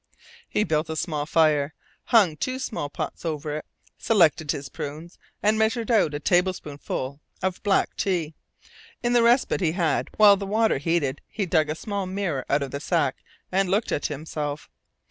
He built a small fire, hung two small pots over it, selected his prunes, and measured out a tablespoonful of black tea. In the respite he had while the water heated he dug a small mirror out of the sack and looked at himself.